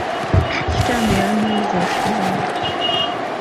Kitange yameze ekiwalaata.